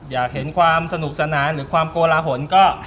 อยากเห็นความสนุกสนานหรือความโกลาหลก็